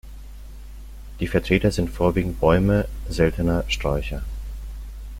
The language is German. Die Vertreter sind vorwiegend Bäume, seltener Sträucher.